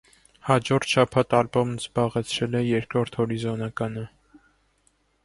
Հաջորդ շաբաթ ալբոմն զբաղեցրել է երկրորդ հորիզոնականը։